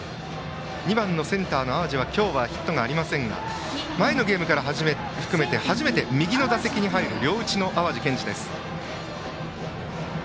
２番センターの淡路は今日、ヒットはありませんが前のゲームから含めて初めて右打席に入る両打ちの淡路建司です。